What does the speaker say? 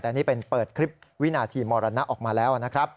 แต่นี่เป็นเปิดคลิปวินาทีมรณะออกมาแล้วนะครับ